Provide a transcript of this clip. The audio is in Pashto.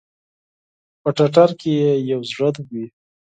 په ټټر کې ئې یو زړه وی